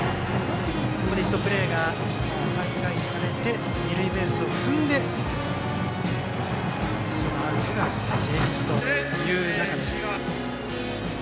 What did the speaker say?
ここで一度、プレーが再開されて二塁ベースを踏んでそのアウトが成立ということです。